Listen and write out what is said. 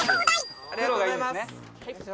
ありがとうございます。